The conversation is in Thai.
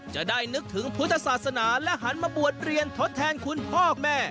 จะได้นึกถึงพุทธศาสนาและหันมาบวชเรียนทดแทนคุณพ่อแม่